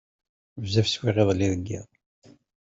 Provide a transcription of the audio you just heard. Bezzaf swiɣ iḍelli deg yiḍ.